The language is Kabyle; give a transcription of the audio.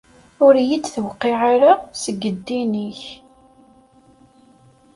Ur iyi-d-tewqiɛ ara seg ddin-ik.